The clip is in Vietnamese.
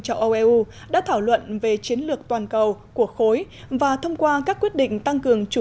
châu âu eu đã thảo luận về chiến lược toàn cầu của khối và thông qua các quyết định tăng cường chủ